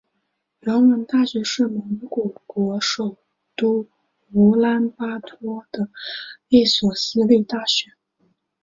人文大学是蒙古国首都乌兰巴托的一所私立大学。